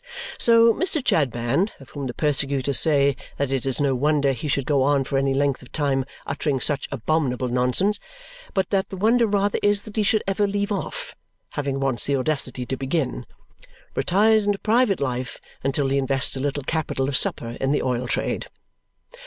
So, Mr. Chadband of whom the persecutors say that it is no wonder he should go on for any length of time uttering such abominable nonsense, but that the wonder rather is that he should ever leave off, having once the audacity to begin retires into private life until he invests a little capital of supper in the oil trade.